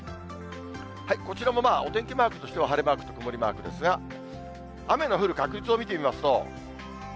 こちらもまあ、お天気マークとしては、晴れマークと曇りマークですが、雨の降る確率を見てみますと。